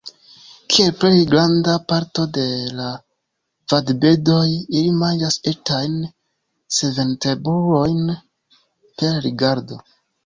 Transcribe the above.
Kiel plej granda parto de vadbirdoj, ili manĝas etajn senvertebrulojn per rigardo.